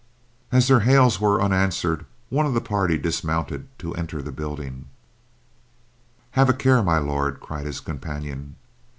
As their hails were unanswered, one of the party dismounted to enter the building. "Have a care, My Lord," cried his companion.